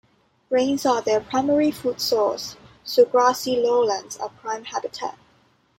Grains are their primary food source, so grassy lowlands are prime habitat.